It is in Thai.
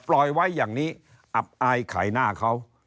ปล่อยไว้อย่างนี้อับอายไข่หน้าเขา